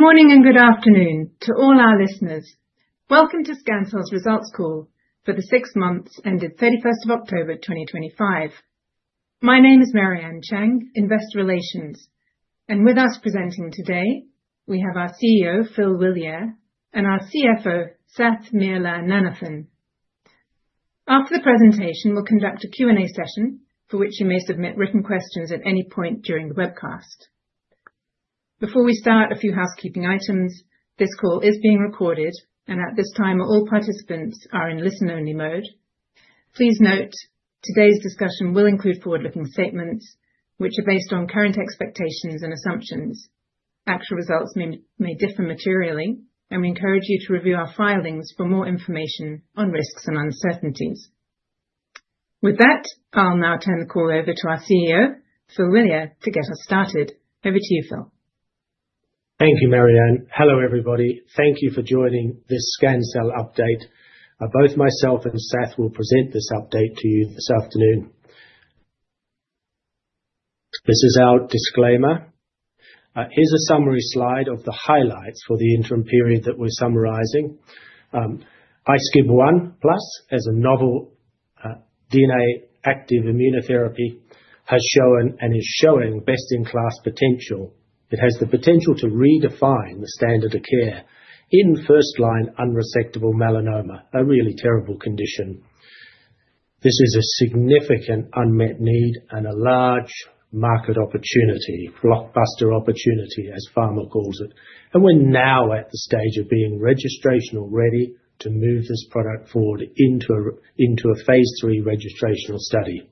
Good morning and good afternoon to all our listeners. Welcome to Scancell's results call for the six months ending 31st of October 2025. My name is Mary-Ann Chang, Investor Relations. With us presenting today, we have our CEO, Phil L'Huillier, and our CFO, Sath Nirmalananthan. After the presentation, we'll conduct a Q&A session for which you may submit written questions at any point during the webcast. Before we start, a few housekeeping items. This call is being recorded, and at this time, all participants are in listen-only mode. Please note, today's discussion will include forward-looking statements which are based on current expectations and assumptions. Actual results may differ materially, and we encourage you to review our filings for more information on risks and uncertainties. With that, I'll now turn the call over to our CEO, Phil L'Huillier, to get us started. Over to you, Phil. Thank you, Mary-Ann. Hello, everybody. Thank you for joining this Scancell update. Both myself and Sath will present this update to you this afternoon. This is our disclaimer. Here's a summary slide of the highlights for the interim period that we're summarizing. iSCIB1+ as a novel DNA-active immunotherapy has shown and is showing best-in-class potential. It has the potential to redefine the standard of care in first-line unresectable melanoma, a really terrible condition. This is a significant unmet need and a large market opportunity, blockbuster opportunity as pharma calls it. We're now at the stage of being registrational ready to move this product forward into a phase III registrational study.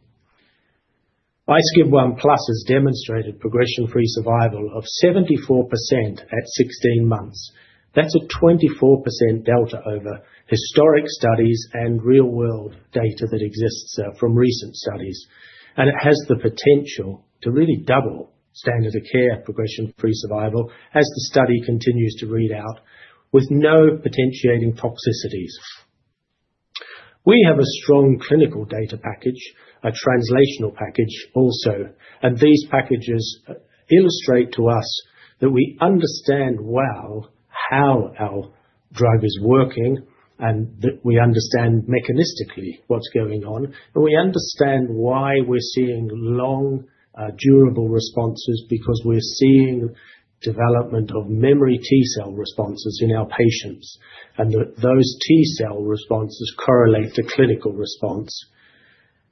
iSCIB1+ has demonstrated progression-free survival of 74% at 16 months. That's a 24% delta over historic studies and real-world data that exists from recent studies. It has the potential to really double standard of care progression-free survival as the study continues to read out with no potentiating toxicities. We have a strong clinical data package, a translational package also, and these packages illustrate to us that we understand well how our drug is working, and that we understand mechanistically what's going on, and we understand why we're seeing long, durable responses because we're seeing development of memory T-cell responses in our patients, and that those T-cell responses correlate to clinical response.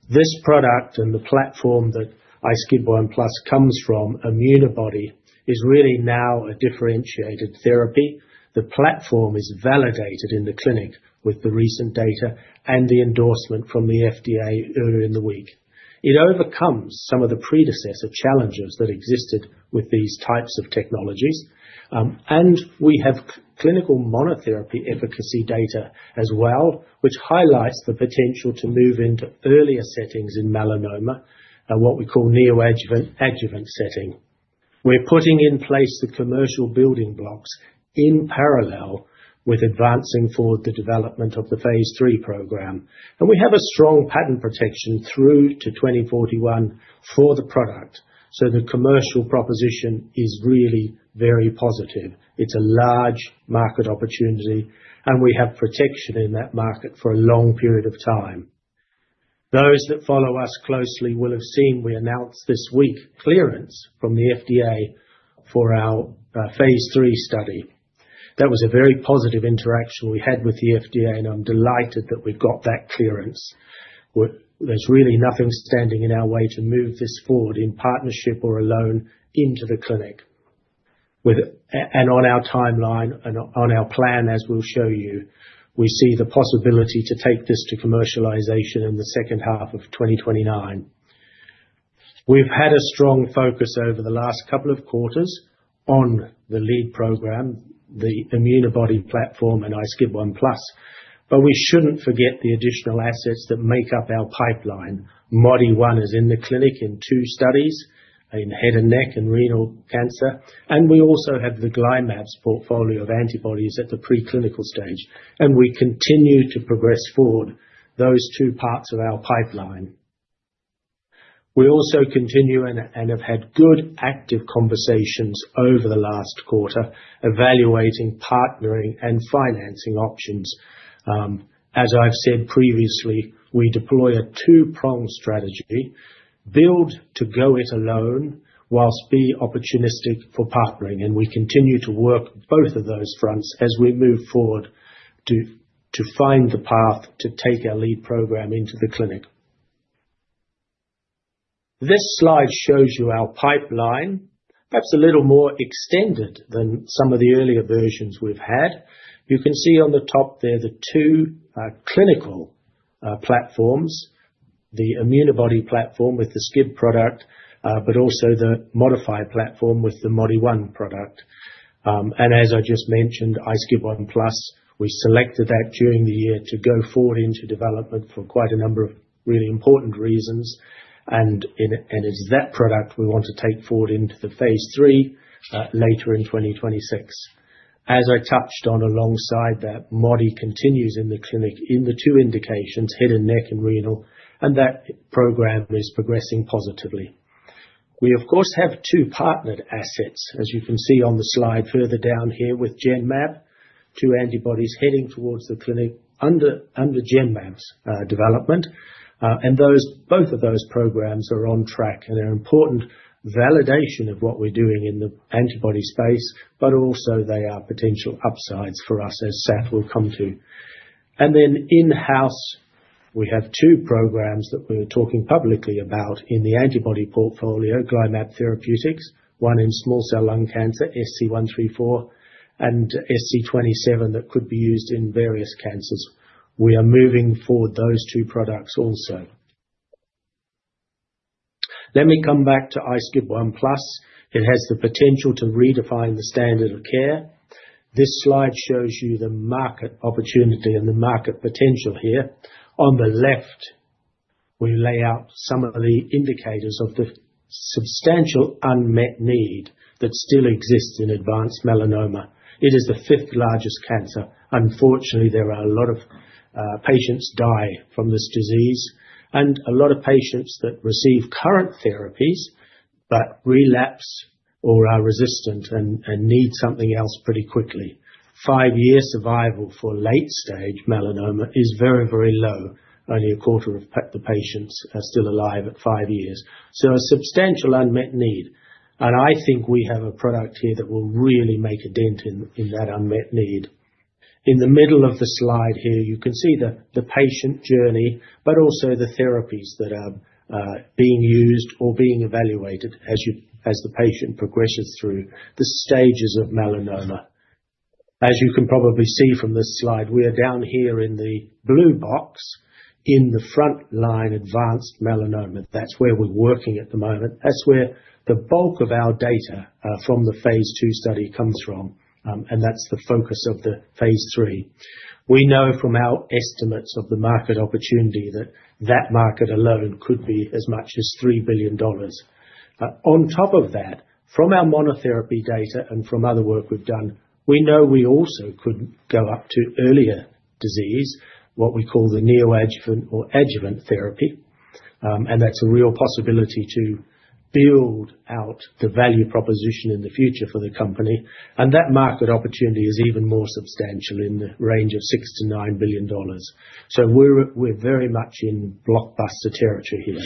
This product and the platform that iSCIB1+ comes from, ImmunoBody, is really now a differentiated therapy. The platform is validated in the clinic with the recent data and the endorsement from the FDA earlier in the week. It overcomes some of the predecessor challenges that existed with these types of technologies. We have clinical monotherapy efficacy data as well, which highlights the potential to move into earlier settings in melanoma at what we call neoadjuvant, adjuvant setting. We're putting in place the commercial building blocks in parallel with advancing forward the development of the phase III program. We have a strong patent protection through to 2041 for the product, so the commercial proposition is really very positive. It's a large market opportunity, and we have protection in that market for a long period of time. Those that follow us closely will have seen we announced this week clearance from the FDA for our phase III study. That was a very positive interaction we had with the FDA, and I'm delighted that we got that clearance. There's really nothing standing in our way to move this forward in partnership or alone into the clinic. On our timeline and on our plan, as we'll show you, we see the possibility to take this to commercialization in the second half of 2029. We've had a strong focus over the last couple of quarters on the lead program, the ImmunoBody platform and iSCIB1+, but we shouldn't forget the additional assets that make up our pipeline. Modi-1 is in the clinic in two studies, in head and neck and renal cancer, and we also have the GlyMab portfolio of antibodies at the preclinical stage, and we continue to progress forward those two parts of our pipeline. We also continue and have had good active conversations over the last quarter evaluating partnering and financing options. As I've said previously, we deploy a two-prong strategy, built to go it alone while being opportunistic for partnering, and we continue to work both of those fronts as we move forward to find the path to take our lead program into the clinic. This slide shows you our pipeline, perhaps a little more extended than some of the earlier versions we've had. You can see on the top there the two clinical platforms, the ImmunoBody platform with the SCIB product, but also the Moditope platform with the Modi-1 product. As I just mentioned, iSCIB1+, we selected that during the year to go forward into development for quite a number of really important reasons. It's that product we want to take forward into phase III later in 2026. As I touched on alongside that, Modi continues in the clinic in the two indications, head and neck and renal, and that program is progressing positively. We, of course, have two partnered assets, as you can see on the slide further down here with Genmab, two antibodies heading towards the clinic under Genmab's development. Both of those programs are on track, and they're important validation of what we're doing in the antibody space, but also they are potential upsides for us as Sath will come to. In-house, we have two programs that we're talking publicly about in the antibody portfolio, GlyMab Therapeutics, one in small cell lung cancer, SC134, and SC27 that could be used in various cancers. We are moving forward those two products also. Let me come back to iSCIB1+. It has the potential to redefine the standard of care. This slide shows you the market opportunity and the market potential here. On the left, we lay out some of the indicators of the substantial unmet need that still exists in advanced melanoma. It is the fifth-largest cancer. Unfortunately, there are a lot of patients die from this disease and a lot of patients that receive current therapies but relapse or are resistant and need something else pretty quickly. Five-year survival for late-stage melanoma is very, very low. Only a quarter of the patients are still alive at five years. So a substantial unmet need. I think we have a product here that will really make a dent in that unmet need. In the middle of the slide here, you can see the patient journey, but also the therapies that are being used or being evaluated as you as the patient progresses through the stages of melanoma. As you can probably see from this slide, we are down here in the blue box in the front line advanced melanoma. That's where we're working at the moment. That's where the bulk of our data from the phase II study comes from. That's the focus of the phase III. We know from our estimates of the market opportunity that that market alone could be as much as $3 billion. On top of that, from our monotherapy data and from other work we've done, we know we also could go up to earlier disease, what we call the neoadjuvant or adjuvant therapy. That's a real possibility to build out the value proposition in the future for the company, and that market opportunity is even more substantial in the range of $6 billion-$9 billion. We're very much in blockbuster territory here.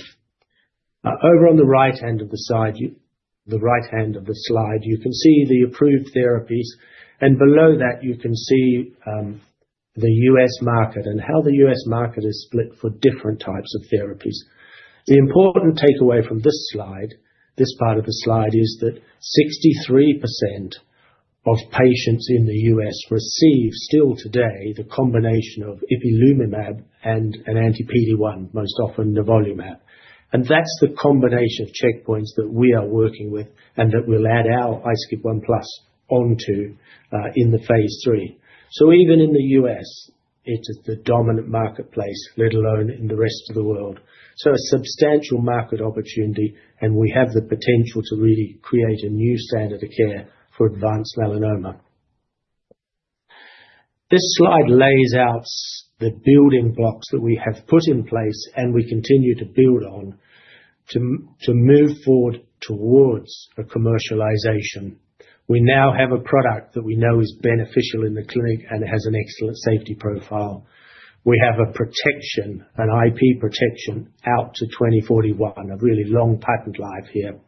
Over on the right hand side, the right hand of the slide, you can see the approved therapies, and below that, you can see the U.S. market and how the U.S. market is split for different types of therapies. The important takeaway from this slide, this part of the slide, is that 63% of patients in the U.S. receive still today the combination of ipilimumab and an anti-PD-1, most often nivolumab. That's the combination of checkpoints that we are working with and that we'll add our iSCIB1+ onto in the phase III. Even in the U.S., it is the dominant marketplace, let alone in the rest of the world. A substantial market opportunity, and we have the potential to really create a new standard of care for advanced melanoma. This slide lays out the building blocks that we have put in place, and we continue to build on to move forward towards a commercialization. We now have a product that we know is beneficial in the clinic and has an excellent safety profile. We have a protection, an IP protection out to 2041, a really long patent life here.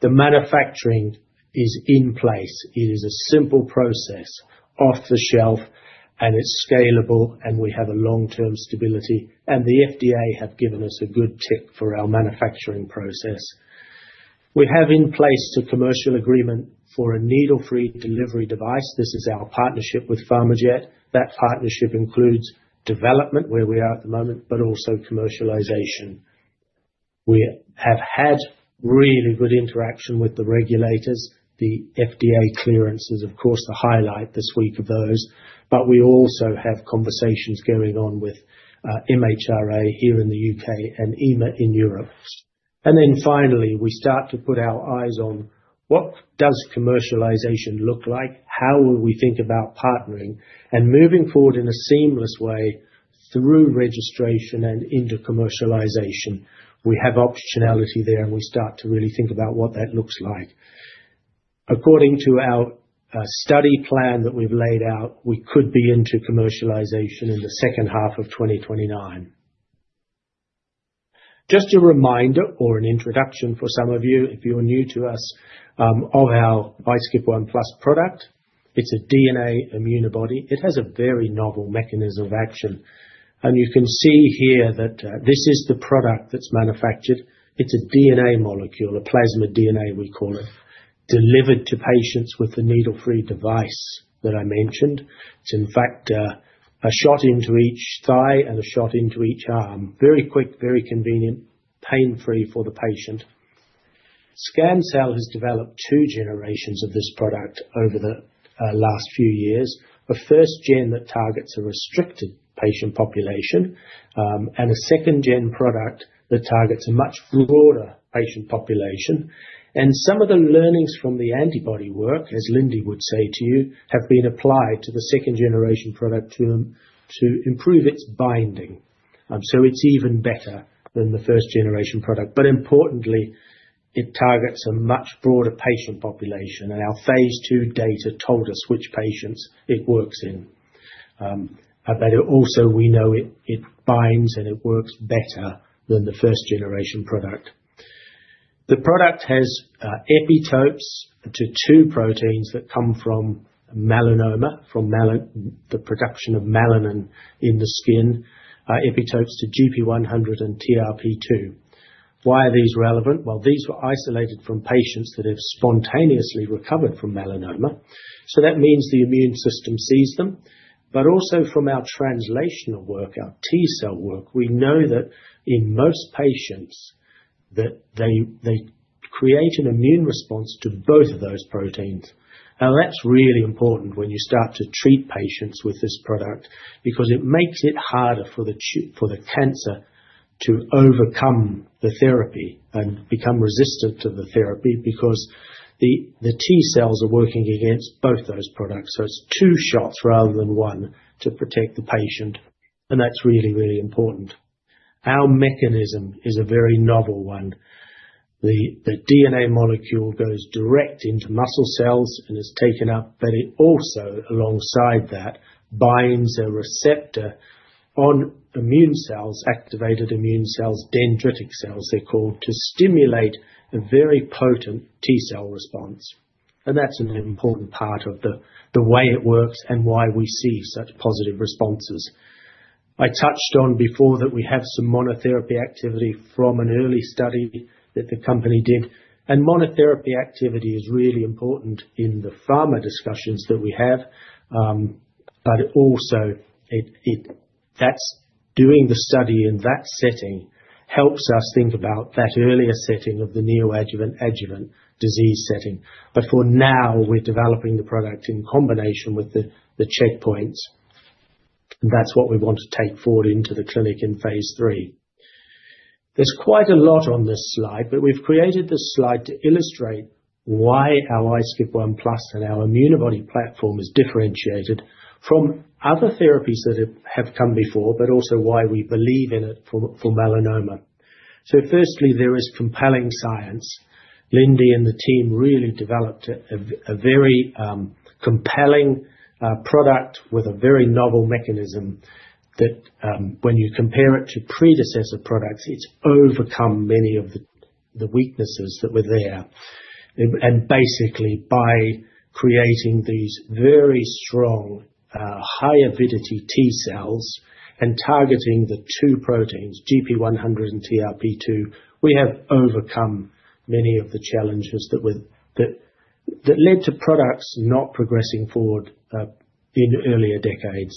The manufacturing is in place. It is a simple process, off-the-shelf, and it's scalable, and we have a long-term stability, and the FDA have given us a good tick for our manufacturing process. We have in place a commercial agreement for a needle-free delivery device. This is our partnership with PharmaJet. That partnership includes development, where we are at the moment, but also commercialization. We have had really good interaction with the regulators. The FDA clearance is, of course, the highlight this week of those, but we also have conversations going on with MHRA here in the U.K. and EMA in Europe. Then finally, we start to put our eyes on what does commercialization look like, how will we think about partnering, and moving forward in a seamless way through registration and into commercialization. We have optionality there, and we start to really think about what that looks like. According to our study plan that we've laid out, we could be into commercialization in the second half of 2029. Just a reminder or an introduction for some of you, if you're new to us, of our iSCIB1+ product. It's a DNA ImmunoBody. It has a very novel mechanism of action. You can see here that this is the product that's manufactured. It's a DNA molecule, a plasmid DNA we call it, delivered to patients with the needle-free device that I mentioned. It's in fact a shot into each thigh and a shot into each arm. Very quick, very convenient, pain-free for the patient. Scancell has developed two generations of this product over the last few years. The first gen that targets a restricted patient population and a second gen product that targets a much broader patient population. Some of the learnings from the antibody work, as Lindy would say to you, have been applied to the second generation product to improve its binding. It's even better than the first generation product, but importantly, it targets a much broader patient population, and our phase II data told us which patients it works in. We also know it binds, and it works better than the first generation product. The product has epitopes to two proteins that come from melanoma, from the production of melanin in the skin, epitopes to GP100 and TRP-2. Why are these relevant? Well, these were isolated from patients that have spontaneously recovered from melanoma. That means the immune system sees them, but also from our translational work, our T-cell work, we know that in most patients that they create an immune response to both of those proteins. Now, that's really important when you start to treat patients with this product because it makes it harder for the cancer to overcome the therapy and become resistant to the therapy because the T cells are working against both those products. It's two shots rather than one to protect the patient, and that's really, really important. Our mechanism is a very novel one. The DNA molecule goes direct into muscle cells and is taken up, but it also, alongside that, binds a receptor on immune cells, activated immune cells, dendritic cells they're called, to stimulate a very potent T-cell response. That's an important part of the way it works and why we see such positive responses. I touched on before that we have some monotherapy activity from an early study that the company did, and monotherapy activity is really important in the pharma discussions that we have, but also it. That's doing the study in that setting helps us think about that earlier setting of the neoadjuvant-adjuvant disease setting. For now we're developing the product in combination with the checkpoints. That's what we want to take forward into the clinic in phase III. There's quite a lot on this slide, but we've created this slide to illustrate why our iSCIB1+ and our ImmunoBody platform is differentiated from other therapies that have come before, but also why we believe in it for melanoma. Firstly, there is compelling science. Lindy and the team really developed a very compelling product with a very novel mechanism that when you compare it to predecessor products, it's overcome many of the weaknesses that were there. Basically by creating these very strong high avidity T cells and targeting the two proteins, GP100 and TRP-2, we have overcome many of the challenges that led to products not progressing forward in earlier decades.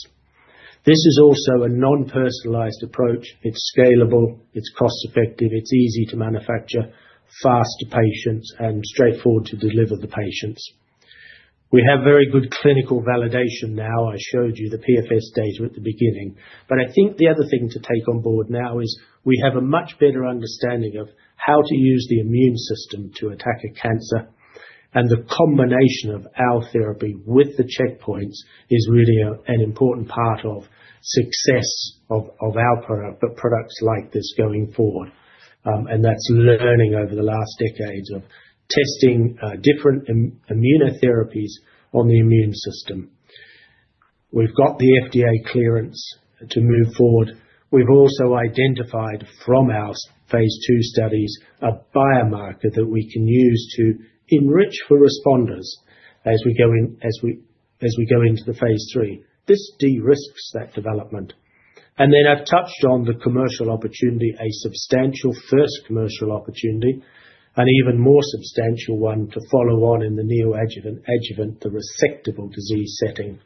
This is also a non-personalized approach. It's scalable, it's cost-effective, it's easy to manufacture, fast to patients, and straightforward to deliver to patients. We have very good clinical validation now. I showed you the PFS data at the beginning, but I think the other thing to take on board now is we have a much better understanding of how to use the immune system to attack a cancer. The combination of our therapy with the checkpoints is really an important part of success of our product, for products like this going forward. That's learning over the last decades of testing different immunotherapies on the immune system. We've got the FDA clearance to move forward. We've also identified from our phase II studies a biomarker that we can use to enrich for responders as we go into the phase III. This de-risks that development. Then I've touched on the commercial opportunity, a substantial first commercial opportunity, an even more substantial one to follow on in the neoadjuvant-adjuvant, the resectable disease setting.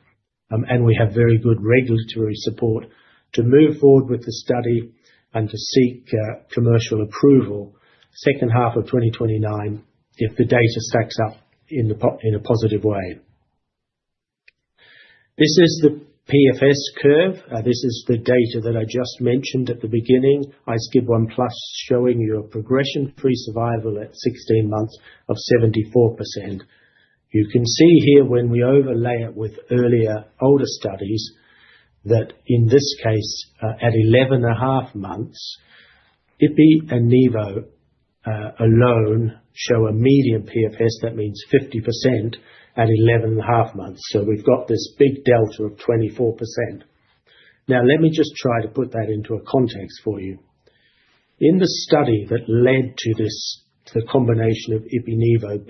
We have very good regulatory support to move forward with the study and to seek commercial approval second half of 2029 if the data stacks up in a positive way. This is the PFS curve. This is the data that I just mentioned at the beginning. iSCIB1+ showing you a progression-free survival at 16 months of 74%. You can see here when we overlay it with earlier older studies, that in this case, at 11.5, ipi and nivo alone show a median PFS, that means 50% at 11.5 months. We've got this big delta of 24%. Now let me just try to put that into a context for you. In the study that led to this, the combination of ipi/nivo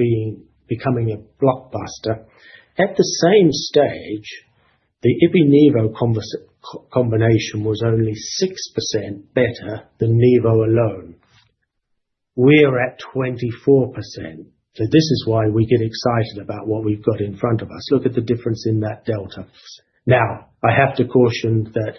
becoming a blockbuster, at the same stage, the ipi/nivo combination was only 6% better than nivo alone. We are at 24%. This is why we get excited about what we've got in front of us. Look at the difference in that delta. Now, I have to caution that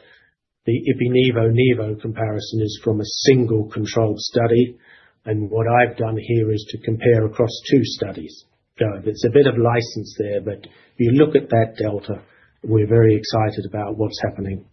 the ipi/nivo comparison is from a single controlled study, and what I've done here is to compare across two studies. There's a bit of license there, but if you look at that delta, we're very excited about what's happening.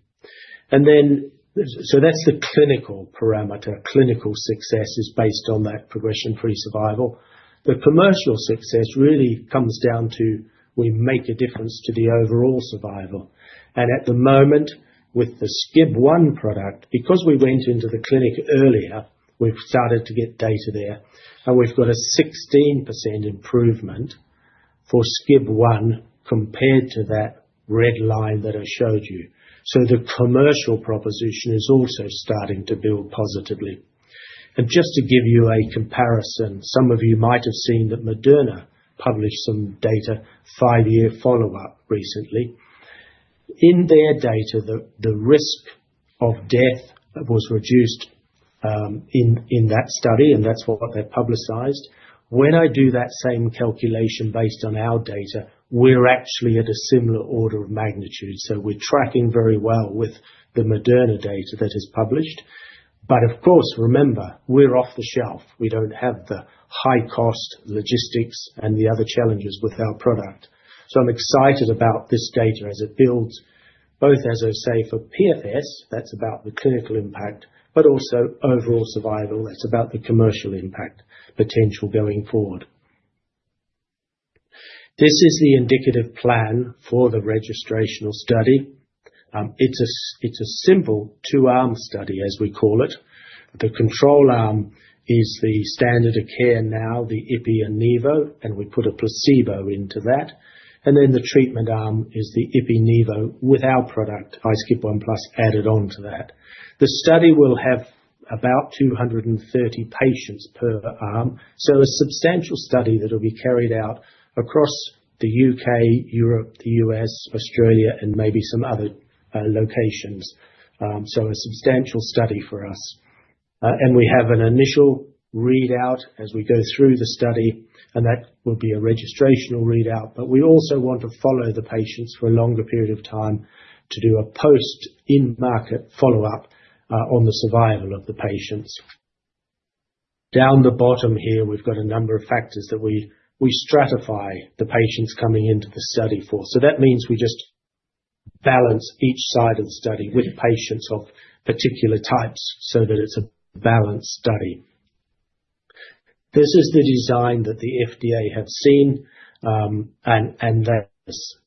That's the clinical parameter. Clinical success is based on that progression-free survival. The commercial success really comes down to we make a difference to the overall survival. At the moment, with the SCIB1 product, because we went into the clinic earlier, we've started to get data there, and we've got a 16% improvement for SCIB1 compared to that red line that I showed you. The commercial proposition is also starting to build positively. Just to give you a comparison, some of you might have seen that Moderna published some data, five-year follow-up recently. In their data, the risk of death was reduced in that study, and that's what they publicized. When I do that same calculation based on our data, we're actually at a similar order of magnitude. We're tracking very well with the Moderna data that is published. Of course, remember, we're off the shelf. We don't have the high cost logistics and the other challenges with our product. I'm excited about this data as it builds, both, as I say, for PFS, that's about the clinical impact, but also overall survival, that's about the commercial impact potential going forward. This is the indicative plan for the registrational study. It's a simple two-arm study, as we call it. The control arm is the standard of care now, the ipi and nivo, and we put a placebo into that. The treatment arm is the ipi nivo with our product, iSCIB1+, added on to that. The study will have about 230 patients per arm. A substantial study that will be carried out across the U.K., Europe, the U.S., Australia, and maybe some other locations. A substantial study for us. We have an initial readout as we go through the study, and that will be a registrational readout. We also want to follow the patients for a longer period of time to do a post in-market follow-up on the survival of the patients. Down the bottom here, we've got a number of factors that we stratify the patients coming into the study for. That means we just balance each side of the study with patients of particular types so that it's a balanced study. This is the design that the FDA have seen, and that's.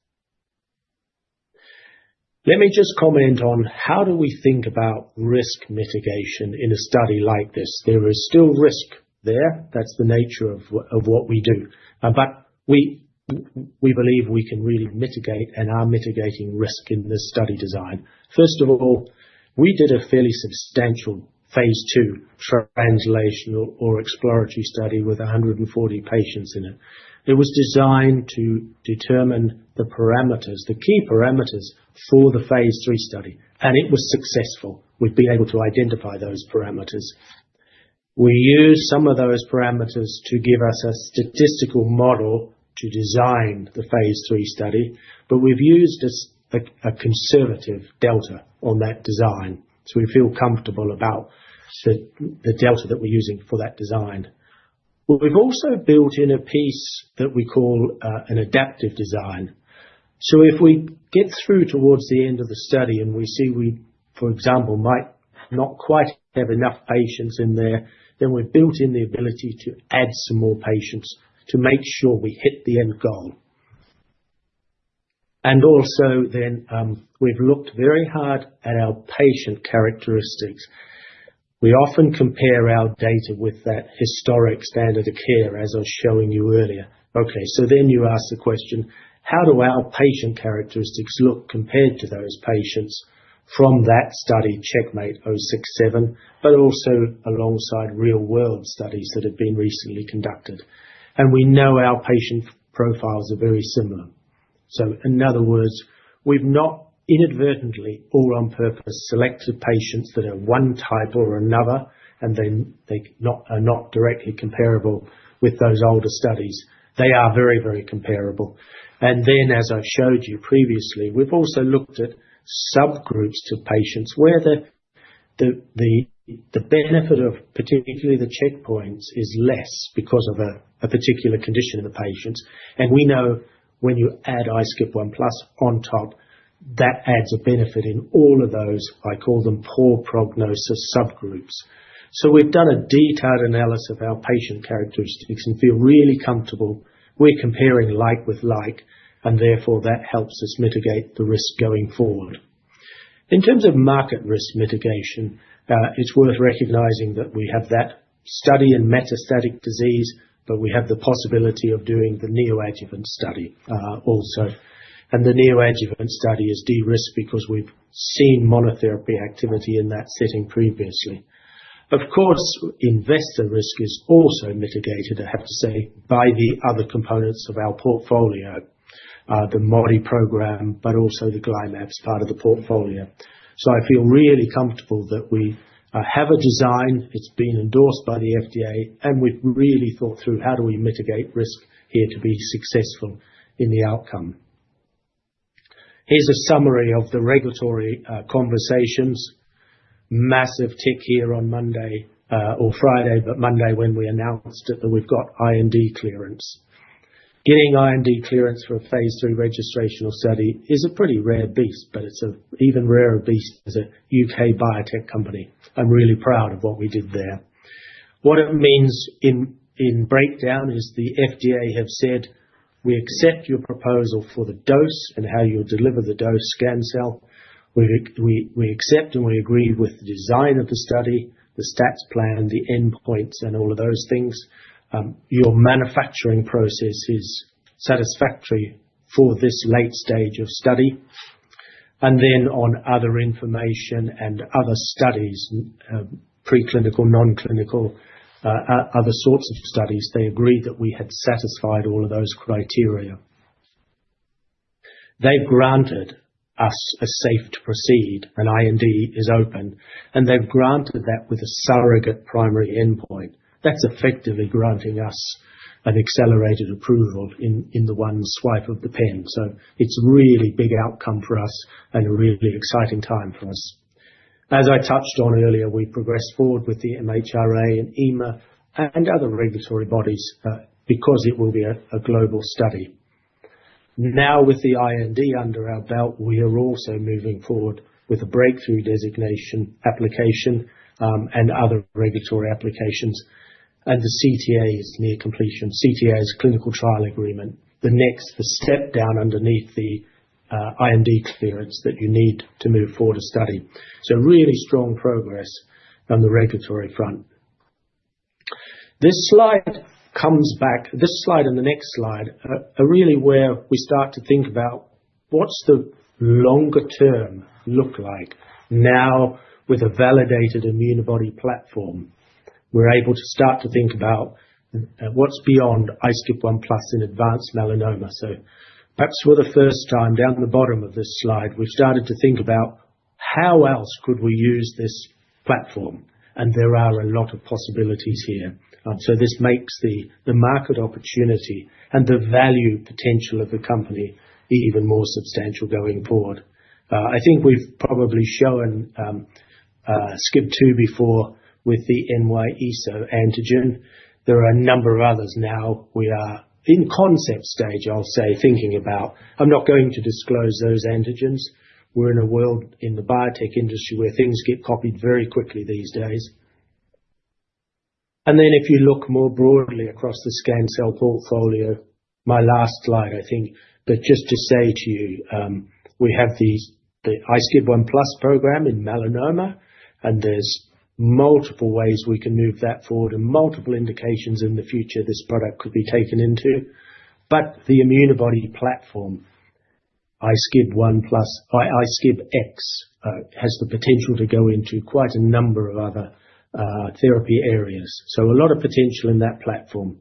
Let me just comment on how do we think about risk mitigation in a study like this. There is still risk there. That's the nature of what we do. We believe we can really mitigate and are mitigating risk in this study design. First of all, we did a fairly substantial phase II translational or exploratory study with 140 patients in it. It was designed to determine the parameters, the key parameters for the phase III study, and it was successful. We've been able to identify those parameters. We use some of those parameters to give us a statistical model to design the phase III study, but we've used a conservative delta on that design. We feel comfortable about the delta that we're using for that design. We've also built in a piece that we call an adaptive design. If we get through towards the end of the study and we see, for example, we might not quite have enough patients in there, then we've built in the ability to add some more patients to make sure we hit the end goal. Also then, we've looked very hard at our patient characteristics. We often compare our data with that historic standard of care, as I was showing you earlier. Okay, then you ask the question, how do our patient characteristics look compared to those patients from that study CheckMate 067, but also alongside real-world studies that have been recently conducted? We know our patient profiles are very similar. In other words, we've not inadvertently or on purpose selected patients that are one type or another, and then they are not directly comparable with those older studies. They are very, very comparable. As I've showed you previously, we've also looked at subgroups of patients where the benefit of particularly the checkpoints is less because of a particular condition in the patients. We know when you add iSCIB1+ on top, that adds a benefit in all of those, I call them poor prognosis subgroups. We've done a detailed analysis of our patient characteristics and feel really comfortable we're comparing like with like, and therefore that helps us mitigate the risk going forward. In terms of market risk mitigation, it's worth recognizing that we have that study in metastatic disease, but we have the possibility of doing the neoadjuvant study also. The neoadjuvant study is de-risked because we've seen monotherapy activity in that setting previously. Of course, investor risk is also mitigated, I have to say, by the other components of our portfolio, the Modi program, but also the GlyMab part of the portfolio. I feel really comfortable that we have a design, it's been endorsed by the FDA, and we've really thought through how do we mitigate risk here to be successful in the outcome. Here's a summary of the regulatory conversations. Massive tick here on Monday or Friday, but Monday when we announced it, that we've got IND clearance. Getting IND clearance for a phase III registrational study is a pretty rare beast, but it's an even rarer beast as a U.K. biotech company. I'm really proud of what we did there. What it means in breakdown is the FDA have said, "We accept your proposal for the dose and how you'll deliver the dose, Scancell. We accept and we agree with the design of the study, the stats plan, the endpoints and all of those things. "Your manufacturing process is satisfactory for this late stage of study." Then on other information and other studies, pre-clinical, non-clinical, other sorts of studies, they agreed that we had satisfied all of those criteria. They've granted us a safe to proceed, an IND is open, and they've granted that with a surrogate primary endpoint. That's effectively granting us an accelerated approval in one swipe of the pen. It's really big outcome for us and a really exciting time for us. As I touched on earlier, we progressed forward with the MHRA and EMA and other regulatory bodies, because it will be a global study. Now with the IND under our belt, we are also moving forward with a breakthrough designation application, and other regulatory applications. The CTA is near completion. CTA is Clinical Trial Agreement. The next step down underneath the IND clearance that you need to move forward a study. Really strong progress on the regulatory front. This slide comes back. This slide and the next slide are really where we start to think about what's the longer term look like now with a validated Immunobody platform. We're able to start to think about what's beyond iSCIB1+ in advanced melanoma. Perhaps for the first time, down at the bottom of this slide, we've started to think about how else could we use this platform. There are a lot of possibilities here. This makes the market opportunity and the value potential of the company even more substantial going forward. I think we've probably shown SCIB2 before with the NY-ESO antigen. There are a number of others now we are in concept stage, I'll say, thinking about. I'm not going to disclose those antigens. We're in a world in the biotech industry where things get copied very quickly these days. If you look more broadly across the Scancell portfolio, my last slide, I think, but just to say to you, we have the iSCIB1+ program in melanoma, and there's multiple ways we can move that forward and multiple indications in the future this product could be taken into. The ImmunoBody platform, iSCIB1+, SCIBX, has the potential to go into quite a number of other therapy areas. A lot of potential in that platform.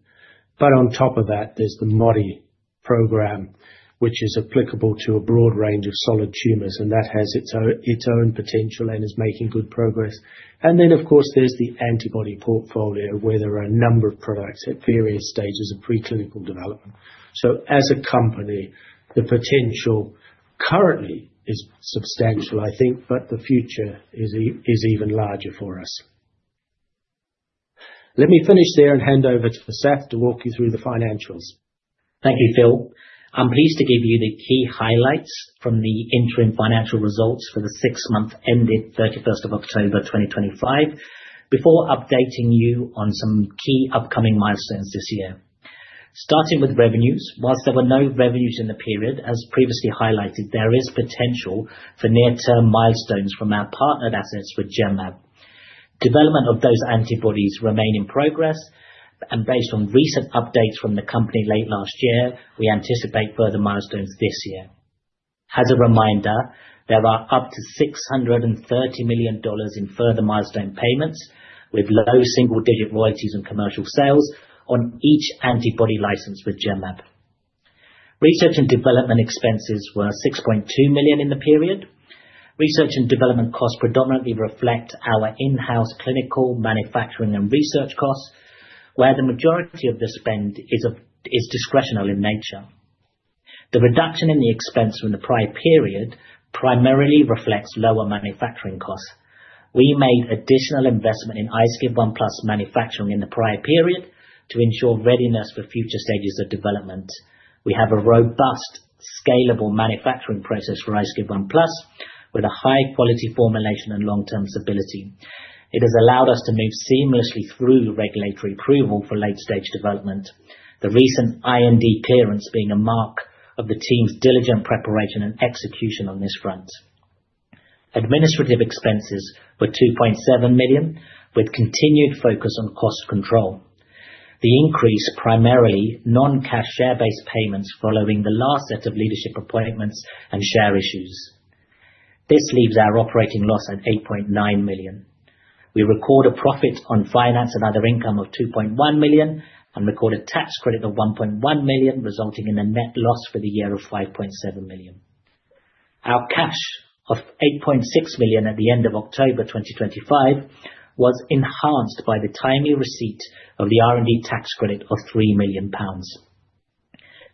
On top of that, there's the Modi program, which is applicable to a broad range of solid tumors, and that has its own potential and is making good progress. Of course, there's the antibody portfolio, where there are a number of products at various stages of preclinical development. As a company, the potential currently is substantial, I think, but the future is even larger for us. Let me finish there and hand over to Sath to walk you through the financials. Thank you, Phil. I'm pleased to give you the key highlights from the interim financial results for the six-month period ended 31st of October 2025, before updating you on some key upcoming milestones this year. Starting with revenues. While there were no revenues in the period, as previously highlighted, there is potential for near-term milestones from our partnered assets with Genmab. Development of those antibodies remain in progress, and based on recent updates from the company late last year, we anticipate further milestones this year. As a reminder, there are up to $630 million in further milestone payments with low single-digit royalties and commercial sales on each antibody license with Genmab. Research and development expenses were 6.2 million in the period. Research and development costs predominantly reflect our in-house clinical manufacturing and research costs, where the majority of the spend is discretionary in nature. The reduction in the expense from the prior period primarily reflects lower manufacturing costs. We made additional investment in iSCIB1+ manufacturing in the prior period to ensure readiness for future stages of development. We have a robust, scalable manufacturing process for iSCIB1+, with a high-quality formulation and long-term stability. It has allowed us to move seamlessly through regulatory approval for late-stage development, the recent IND clearance being a mark of the team's diligent preparation and execution on this front. Administrative expenses were 2.7 million, with continued focus on cost control. The increase was primarily non-cash share-based payments following the last set of leadership appointments and share issues. This leaves our operating loss at 8.9 million. We record a profit on finance and other income of 2.1 million and record a tax credit of 1.1 million, resulting in a net loss for the year of 5.7 million. Our cash of 8.6 million at the end of October 2025 was enhanced by the timely receipt of the R&D tax credit of 3 million pounds.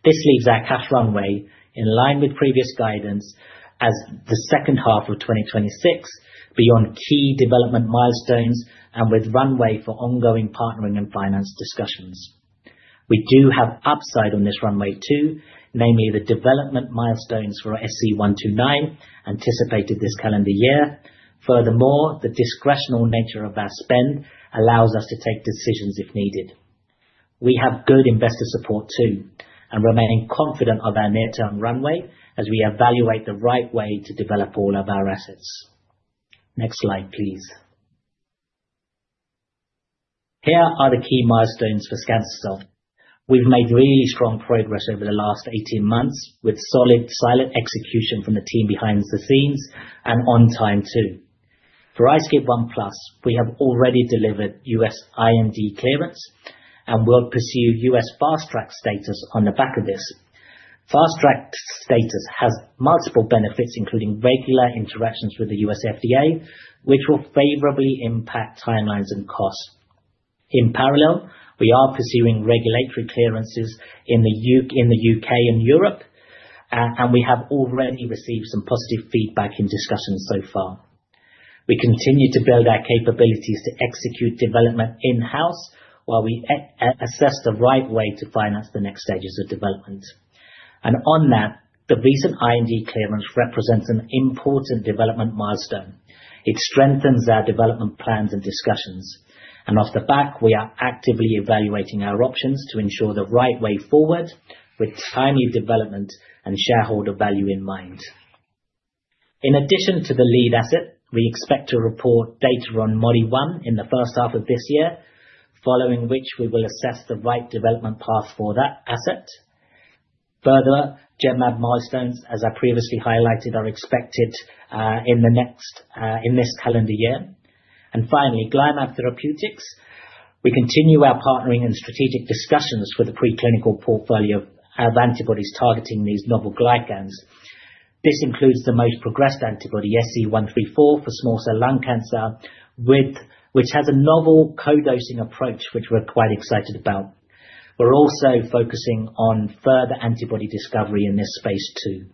This leaves our cash runway in line with previous guidance as the second half of 2026, beyond key development milestones and with runway for ongoing partnering and finance discussions. We do have upside on this runway too, namely the development milestones for SC-129 anticipated this calendar year. Furthermore, the discretionary nature of our spend allows us to take decisions if needed. We have good investor support too, and remaining confident of our near-term runway as we evaluate the right way to develop all of our assets. Next slide, please. Here are the key milestones for Scancell. We've made really strong progress over the last 18 months with solid, silent execution from the team behind the scenes and on time too. For iSCIB1+, we have already delivered U.S. IND clearance and will pursue U.S. fast-track status on the back of this. Fast-track status has multiple benefits, including regular interactions with the U.S. FDA, which will favorably impact timelines and costs. In parallel, we are pursuing regulatory clearances in the U.K. and Europe, and we have already received some positive feedback in discussions so far. We continue to build our capabilities to execute development in-house while we assess the right way to finance the next stages of development. On that, the recent IND clearance represents an important development milestone. It strengthens our development plans and discussions. Off the back, we are actively evaluating our options to ensure the right way forward with timely development and shareholder value in mind. In addition to the lead asset, we expect to report data on Modi-1 in the first half of this year, following which we will assess the right development path for that asset. Further, Genmab milestones, as I previously highlighted, are expected in this calendar year. Finally, GlyMab Therapeutics. We continue our partnering and strategic discussions with the preclinical portfolio of antibodies targeting these novel glycans. This includes the most progressed antibody, SC134 for small cell lung cancer, which has a novel co-dosing approach, which we're quite excited about. We're also focusing on further antibody discovery in this space too.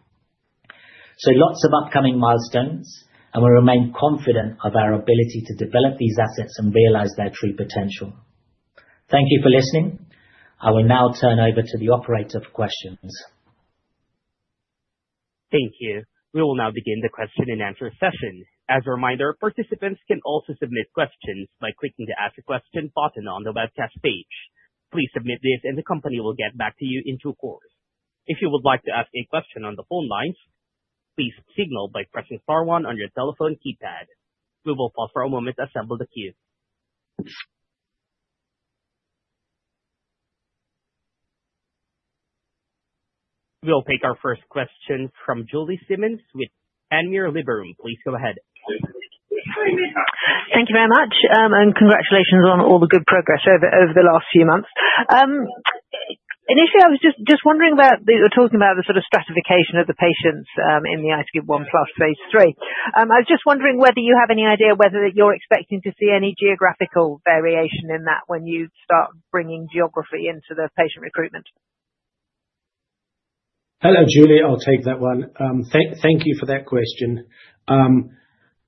Lots of upcoming milestones, and we remain confident of our ability to develop these assets and realize their true potential. Thank you for listening. I will now turn over to the operator for questions. Thank you. We will now begin the question-and-answer session. As a reminder, participants can also submit questions by clicking the Ask a Question button on the webcast page. Please submit these and the company will get back to you in due course. If you would like to ask a question on the phone lines, please signal by pressing star one on your telephone keypad. We will pause for a moment as I build the queue. We'll take our first question from Julie Simmons with Panmure Liberum. Please go ahead. Thank you very much, and congratulations on all the good progress over the last few months. Initially, I was just wondering about the sort of stratification of the patients in the iSCIB1+ phase III. I was just wondering whether you have any idea whether you're expecting to see any geographical variation in that when you start bringing geography into the patient recruitment. Hello, Julie. I'll take that one. Thank you for that question.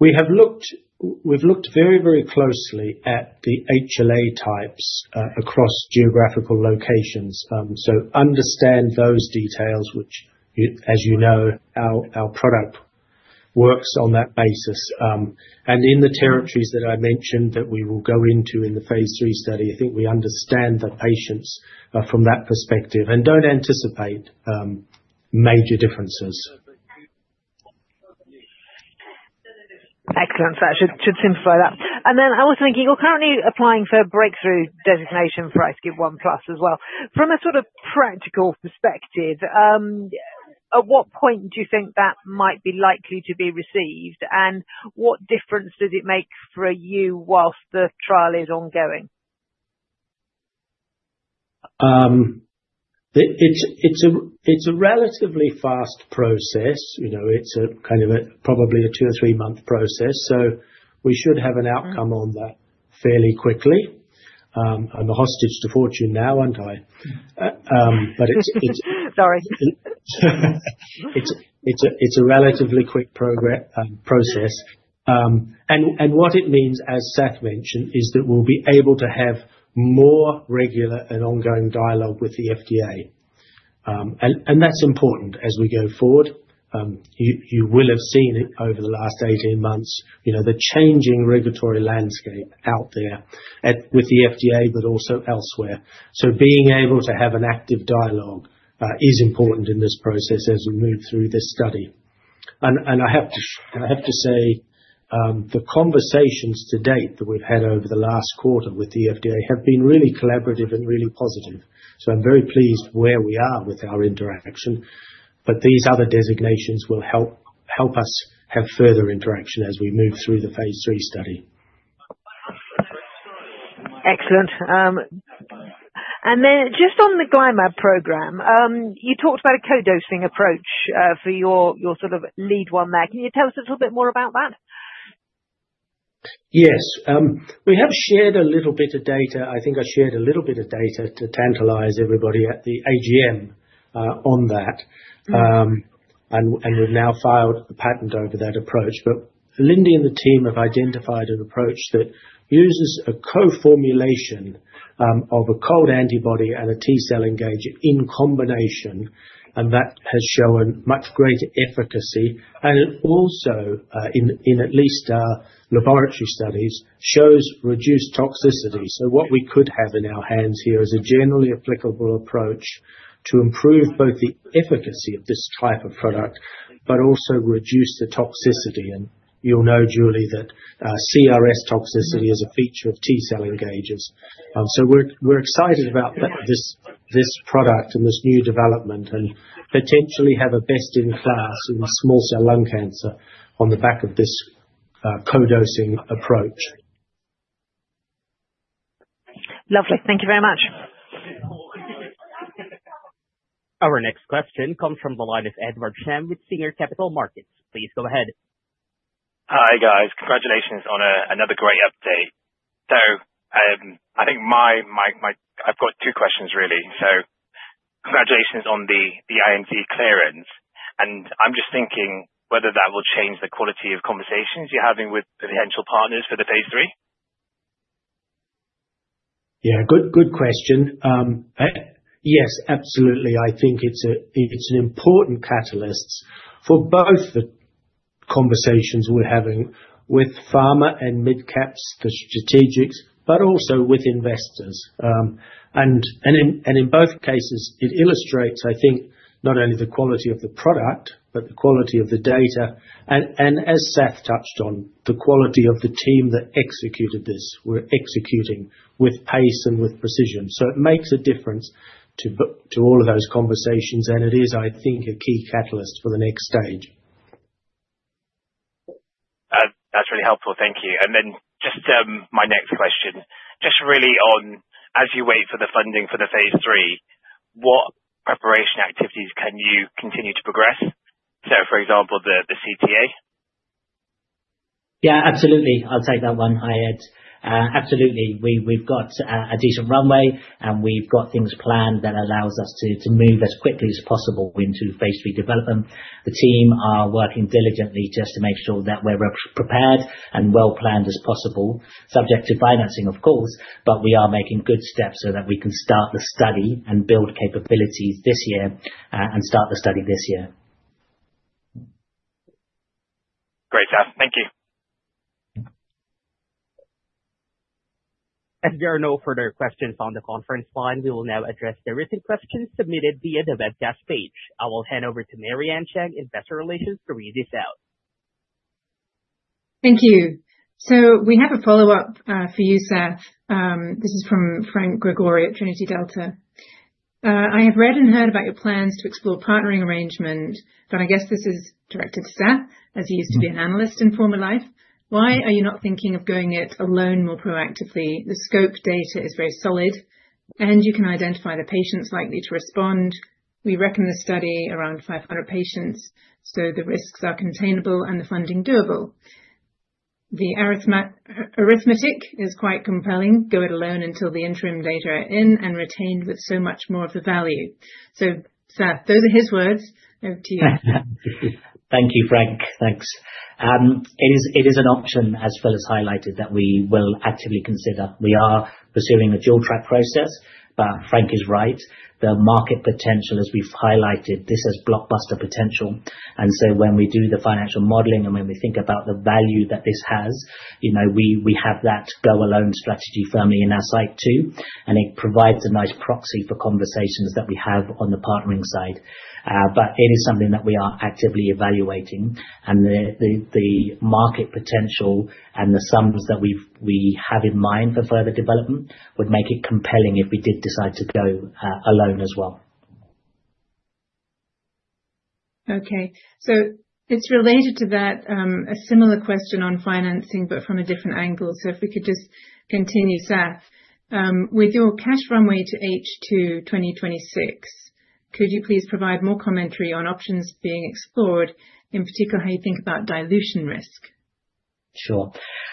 We've looked very closely at the HLA types across geographical locations. You understand those details, as you know, our product works on that basis. In the territories that I mentioned that we will go into in the phase III study, I think we understand the patients from that perspective and don't anticipate major differences. Excellent. That should simplify that. I was thinking, you're currently applying for a breakthrough designation for iSCIB1+ as well. From a sort of practical perspective, at what point do you think that might be likely to be received? What difference does it make for you while the trial is ongoing? It's a relatively fast process. You know, it's kind of a probably two or three-month process, so we should have an outcome on that fairly quickly. I'm a hostage to fortune now, aren't I? Sorry. It's a relatively quick process. What it means, as Sath mentioned, is that we'll be able to have more regular and ongoing dialogue with the FDA. That's important as we go forward. You will have seen it over the last 18 months, you know, the changing regulatory landscape out there, with the FDA, but also elsewhere. Being able to have an active dialogue is important in this process as we move through this study. I have to say, the conversations to date that we've had over the last quarter with the FDA have been really collaborative and really positive. I'm very pleased where we are with our interaction, but these other designations will help us have further interaction as we move through the phase III study. Excellent. Just on the GlyMab program, you talked about a co-dosing approach for your sort of lead one there. Can you tell us a little bit more about that? Yes. We have shared a little bit of data. I think I shared a little bit of data to tantalize everybody at the AGM, on that. We've now filed a patent over that approach. Lindy and the team have identified an approach that uses a co-formulation of a cold agglutinin and a T-cell engager in combination, and that has shown much greater efficacy. It also, in at least our laboratory studies, shows reduced toxicity. What we could have in our hands here is a generally applicable approach to improve both the efficacy of this type of product, but also reduce the toxicity. You'll know, Julie, that CRS toxicity is a feature of T-cell engagers. We're excited about this product and this new development, and potentially have a best in class in small cell lung cancer on the back of this co-dosing approach. Lovely. Thank you very much. Our next question comes from the line of Edward Shen with Singer Capital Markets. Please go ahead. Hi, guys. Congratulations on another great update. I think I've got two questions really. Congratulations on the IND clearance, and I'm just thinking whether that will change the quality of conversations you're having with potential partners for the phase III. Yeah. Good question. Yes, absolutely. I think it's an important catalyst for both the conversations we're having with pharma and mid-caps, the strategics, but also with investors. In both cases it illustrates, I think, not only the quality of the product, but the quality of the data and as Sath touched on, the quality of the team that executed this. We're executing with pace and with precision. It makes a difference to all of those conversations, and it is, I think, a key catalyst for the next stage. That's really helpful. Thank you. Just my next question, just really on, as you wait for the funding for the phase III, what preparation activities can you continue to progress? For example, the CTA. Yeah, absolutely. I'll take that one. Hi, Ed. Absolutely. We've got a decent runway, and we've got things planned that allows us to move as quickly as possible into phase III development. The team are working diligently just to make sure that we're well prepared and well-planned as possible, subject to financing of course, but we are making good steps so that we can start the study and build capabilities this year, and start the study this year. Great, Sath. Thank you. As there are no further questions on the conference line, we will now address the written questions submitted via the webcast page. I will hand over to Mary-Ann Chang, Investor Relations, to read this out. Thank you. We have a follow-up for you, Sath. This is from Franc Gregori at Trinity Delta. I have read and heard about your plans to explore partnering arrangement, but I guess this is directed to Sath, as he used to be an analyst in former life. Why are you not thinking of going it alone more proactively? The scope data is very solid, and you can identify the patients likely to respond. We reckon the study around 500 patients, so the risks are containable and the funding doable. The arithmetic is quite compelling. Do it alone until the interim data are in and retained with so much more of the value. Sath, those are his words. Over to you. Thank you, Franc. Thanks. It is an option, as Phil has highlighted, that we will actively consider. We are pursuing a dual-track process, but Franc is right. The market potential, as we've highlighted, this has blockbuster potential, and so when we do the financial modeling and when we think about the value that this has, you know, we have that go alone strategy firmly in our sight too, and it provides a nice proxy for conversations that we have on the partnering side. But it is something that we are actively evaluating and the market potential and the sums that we have in mind for further development would make it compelling if we did decide to go alone as well. Okay. It's related to that, a similar question on financing, but from a different angle. If we could just continue, Sath, with your cash runway to H2 2026, could you please provide more commentary on options being explored, in particular how you think about dilution risk? Sure.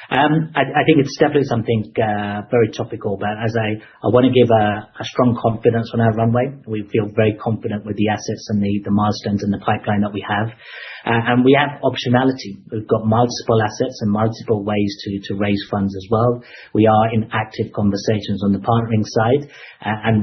I think it's definitely something very topical, but I wanna give a strong confidence on our runway. We feel very confident with the assets and the milestones and the pipeline that we have. We have optionality. We've got multiple assets and multiple ways to raise funds as well. We are in active conversations on the partnering side.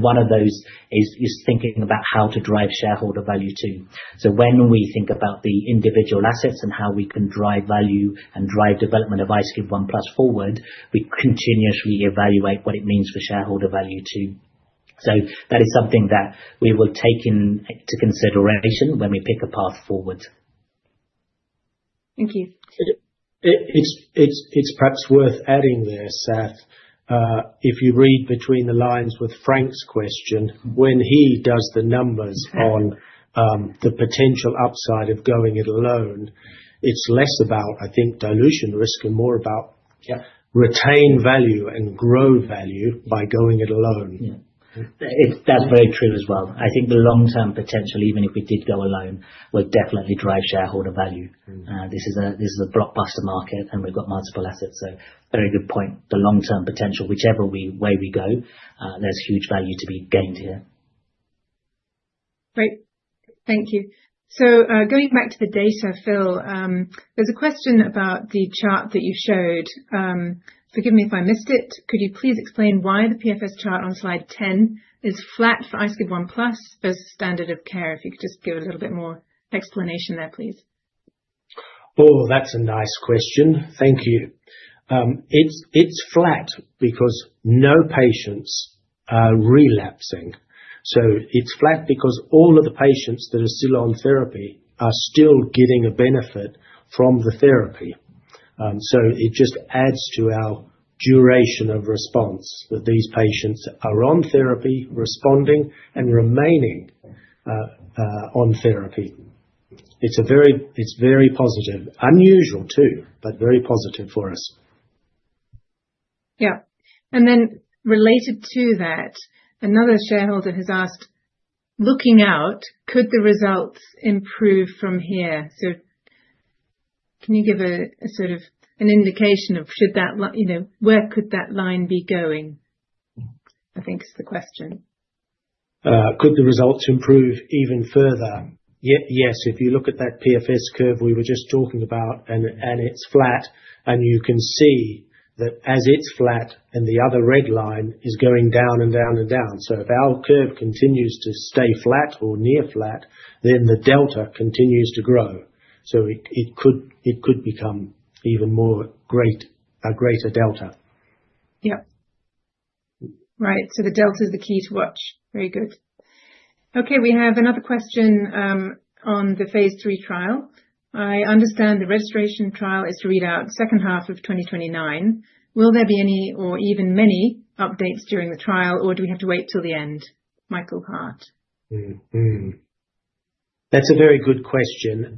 One of those is thinking about how to drive shareholder value too. When we think about the individual assets and how we can drive value and drive development of iSCIB1+ forward, we continuously evaluate what it means for shareholder value too. That is something that we will take into consideration when we pick a path forward. Thank you. It's perhaps worth adding there, Sath, if you read between the lines with Franc's question, when he does the numbers on the potential upside of going it alone, it's less about, I think, dilution risk and more about retained value and growth value by going it alone. Yeah. That's very true as well. I think the long-term potential, even if we did go alone, would definitely drive shareholder value. This is a blockbuster market, and we've got multiple assets, so very good point. The long-term potential, whichever way we go, there's huge value to be gained here. Great. Thank you. Going back to the data, Phil, there's a question about the chart that you showed. Forgive me if I missed it. Could you please explain why the PFS chart on slide 10 is flat for iSCIB1+ versus standard of care? If you could just give a little bit more explanation there, please. Oh, that's a nice question. Thank you. It's flat because no patients are relapsing. It's flat because all of the patients that are still on therapy are still getting a benefit from the therapy. It just adds to our duration of response that these patients are on therapy, responding, and remaining on therapy. It's very positive. Unusual too, but very positive for us. Yeah. Related to that, another shareholder has asked, "Looking out, could the results improve from here?" Can you give a sort of an indication of should that you know, where could that line be going? I think is the question. Could the results improve even further? Yes. If you look at that PFS curve we were just talking about, it's flat, and you can see that as it's flat and the other red line is going down. If our curve continues to stay flat or near flat, then the delta continues to grow. It could become even more a greater delta. Yeah. Right. The delta is the key to watch. Very good. Okay, we have another question on the phase III trial. I understand the registration trial is to read out second half of 2029. Will there be any or even many updates during the trial, or do we have to wait till the end? Michael Hart. That's a very good question.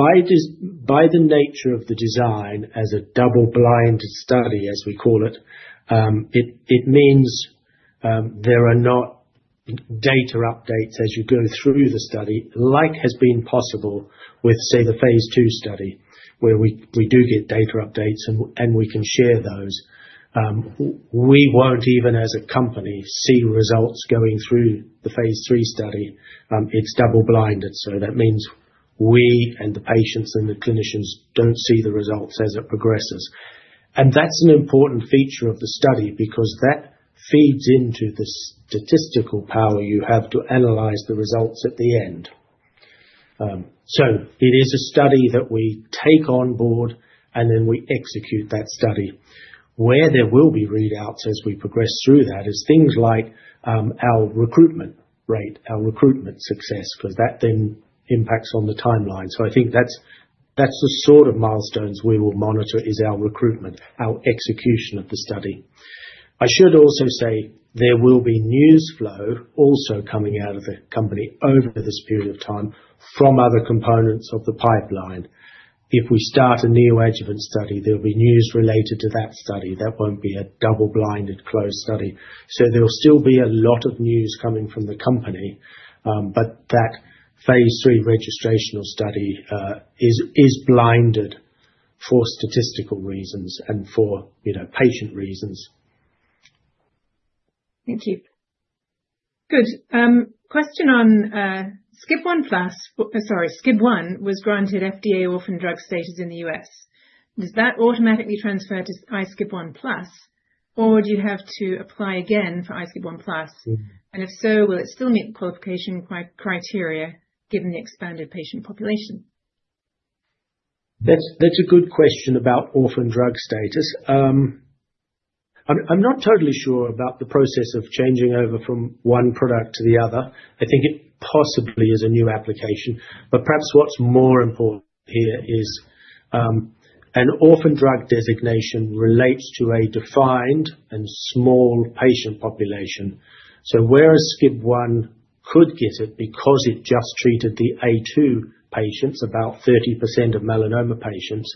By the nature of the design as a double-blind study, as we call it means there are not data updates as you go through the study like has been possible with, say, the phase II study, where we do get data updates and we can share those. We won't even as a company see results going through the phase III study. It's double-blinded, so that means we and the patients and the clinicians don't see the results as it progresses. That's an important feature of the study because that feeds into the statistical power you have to analyze the results at the end. It is a study that we take on board, and then we execute that study. Where there will be readouts as we progress through that is things like, our recruitment rate, our recruitment success, 'cause that then impacts on the timeline. I think that's the sort of milestones we will monitor is our recruitment, our execution of the study. I should also say there will be news flow also coming out of the company over this period of time from other components of the pipeline. If we start a neoadjuvant study, there'll be news related to that study. That won't be a double-blind closed study. There'll still be a lot of news coming from the company, but that phase III registrational study is blinded for statistical reasons and for, you know, patient reasons. Thank you. Good. Question on SCIB1 was granted FDA orphan drug status in the U.S. Does that automatically transfer to iSCIB1+, or do you have to apply again for iSCIB1+? And if so, will it still meet the qualification criteria given the expanded patient population? That's a good question about orphan drug status. I'm not totally sure about the process of changing over from one product to the other. I think it possibly is a new application. Perhaps what's more important here is an orphan drug designation relates to a defined and small patient population. Whereas SCIB1 could get it because it just treated the A2 patients, about 30% of melanoma patients,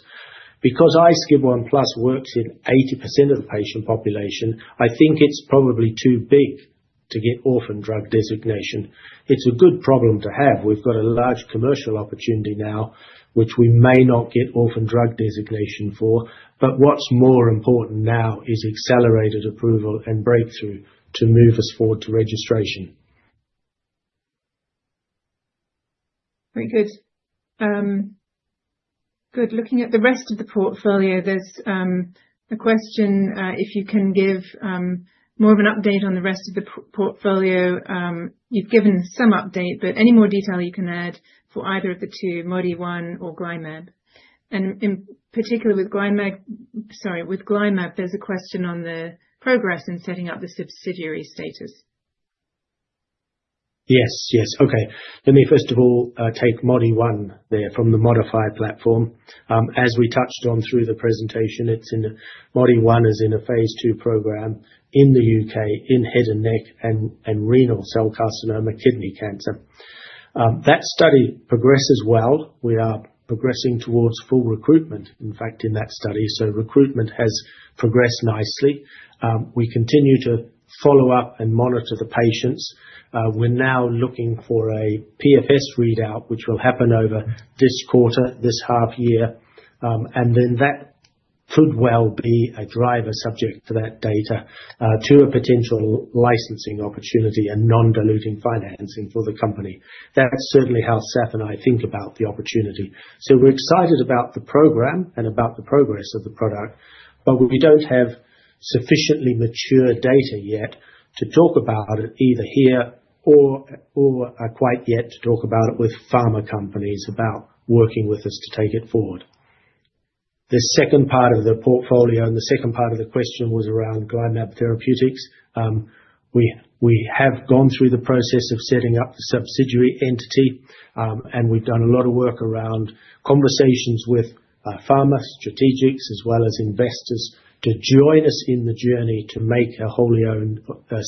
because iSCIB1+ works in 80% of the patient population, I think it's probably too big to get orphan drug designation. It's a good problem to have. We've got a large commercial opportunity now, which we may not get orphan drug designation for, but what's more important now is accelerated approval and breakthrough to move us forward to registration. Very good. Looking at the rest of the portfolio, there's a question if you can give more of an update on the rest of the portfolio. You've given some update, but any more detail you can add for either of the two, Modi-1 or GlyMab? In particular with GlyMab, there's a question on the progress in setting up the subsidiary status. Yes. Okay. Let me first of all take Modi-1 there from the Moditope platform. As we touched on through the presentation, Modi-1 is in a phase II program in the U.K. in head and neck and renal cell carcinoma kidney cancer. That study progresses well. We are progressing towards full recruitment, in fact, in that study. Recruitment has progressed nicely. We continue to follow up and monitor the patients. We're now looking for a PFS readout, which will happen over this quarter, this half year. That could well be a driver subject to that data, to a potential licensing opportunity and non-diluting financing for the company. That's certainly how Sath and I think about the opportunity. We're excited about the program and about the progress of the product, but we don't have sufficiently mature data yet to talk about it, either here or quite yet to talk about it with pharma companies about working with us to take it forward. The second part of the portfolio and the second part of the question was around GlyMab Therapeutics. We have gone through the process of setting up the subsidiary entity, and we've done a lot of work around conversations with pharma strategics as well as investors to join us in the journey to make a wholly-owned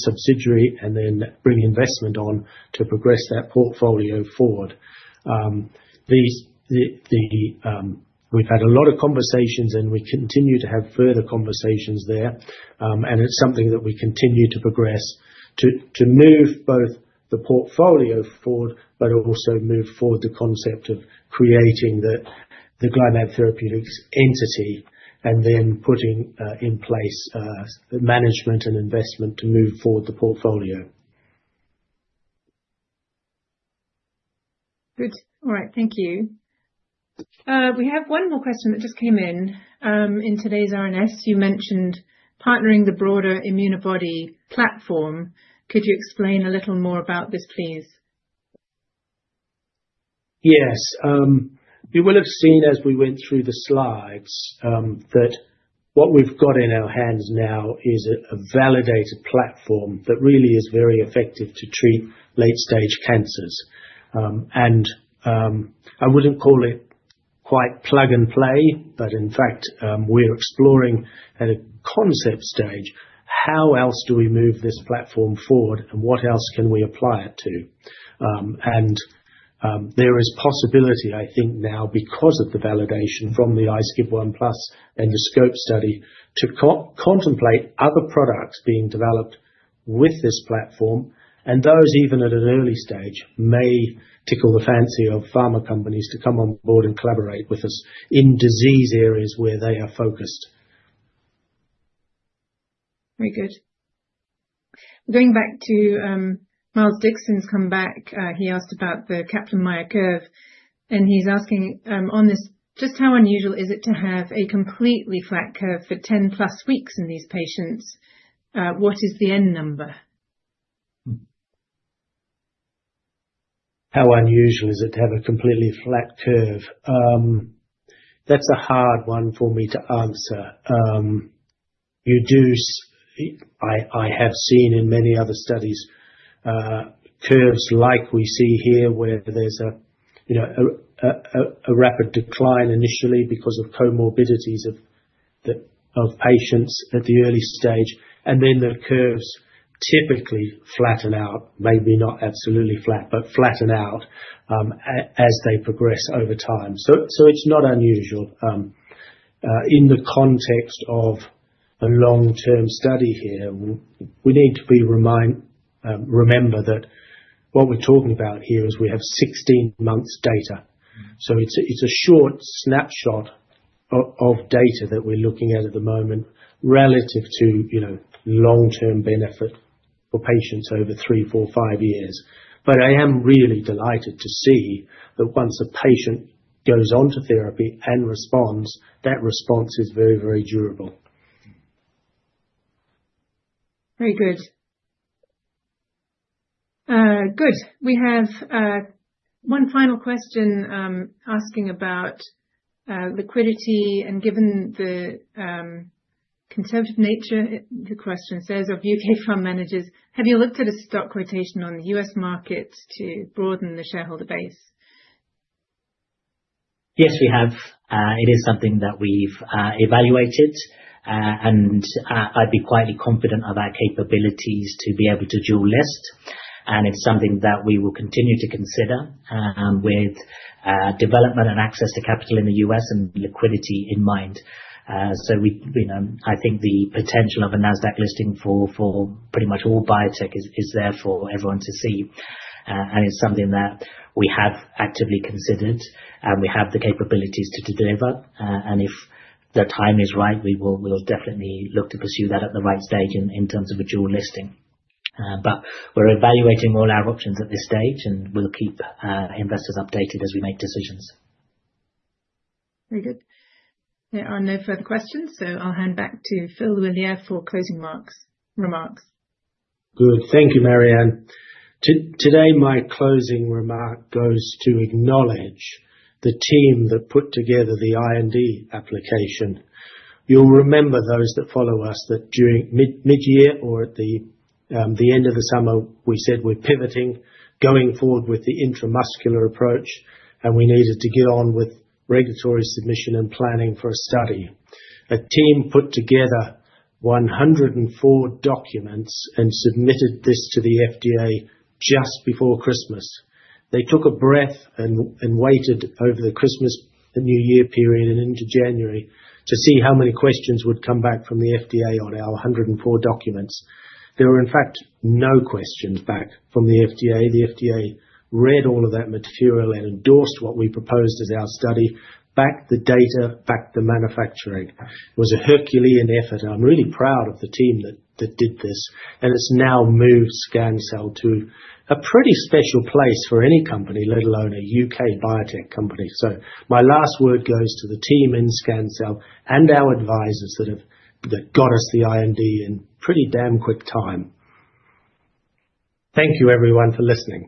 subsidiary and then bring investment on to progress that portfolio forward. We've had a lot of conversations, and we continue to have further conversations there, and it's something that we continue to progress to move both the portfolio forward, but also move forward the concept of creating the GlyMab Therapeutics entity and then putting in place management and investment to move forward the portfolio. Good. All right. Thank you. We have one more question that just came in. In today's RNS, you mentioned partnering the broader ImmunoBody platform. Could you explain a little more about this, please? Yes. You will have seen as we went through the slides that what we've got in our hands now is a validated platform that really is very effective to treat late-stage cancers. I wouldn't call it quite plug and play, but in fact, we're exploring at a concept stage how else do we move this platform forward and what else can we apply it to? There is possibility, I think now because of the validation from the iSCIB1+ and the SCOPE study, to contemplate other products being developed with this platform, and those even at an early stage may tickle the fancy of pharma companies to come on board and collaborate with us in disease areas where they are focused. Very good. Going back to, Miles Dixon's come back. He asked about the Kaplan-Meier curve, and he's asking, on this, just how unusual is it to have a completely flat curve for 10+ weeks in these patients? What is the N number? How unusual is it to have a completely flat curve? That's a hard one for me to answer. I have seen in many other studies curves like we see here, where there's a you know a rapid decline initially because of comorbidities of the patients at the early stage, and then the curves typically flatten out, maybe not absolutely flat, but flatten out, as they progress over time. It's not unusual. In the context of a long-term study here, we need to remember that what we're talking about here is we have 16 months data. It's a short snapshot of data that we're looking at at the moment relative to you know long-term benefit for patients over three, four, five years. I am really delighted to see that once a patient goes onto therapy and responds, that response is very, very durable. Very good. We have one final question asking about liquidity and given the conservative nature, the question says of U.K. fund managers, have you looked at a stock quotation on the U.S. market to broaden the shareholder base? Yes, we have. It is something that we've evaluated. I'd be quietly confident of our capabilities to be able to dual list. It's something that we will continue to consider, with development and access to capital in the U.S. and liquidity in mind. We, you know, I think the potential of a Nasdaq listing for pretty much all biotech is there for everyone to see. It's something that we have actively considered, and we have the capabilities to deliver. If the time is right, we'll definitely look to pursue that at the right stage in terms of a dual listing. We're evaluating all our options at this stage, and we'll keep investors updated as we make decisions. Very good. There are no further questions, so I'll hand back to Phil L'Huillier for closing remarks. Good. Thank you, Mary-Ann. Today my closing remark goes to acknowledge the team that put together the IND application. You'll remember those that follow us, that during midyear or at the end of the summer, we said we're pivoting, going forward with the intramuscular approach, and we needed to get on with regulatory submission and planning for a study. A team put together 104 documents and submitted this to the FDA just before Christmas. They took a breath and waited over the Christmas and New Year period and into January to see how many questions would come back from the FDA on our 104 documents. There were in fact no questions back from the FDA. The FDA read all of that material and endorsed what we proposed as our study, backed the data, backed the manufacturing. It was a Herculean effort, and I'm really proud of the team that did this. It's now moved Scancell to a pretty special place for any company, let alone a U.K. biotech company. My last word goes to the team in Scancell and our advisors that got us the IND in pretty damn quick time. Thank you, everyone, for listening.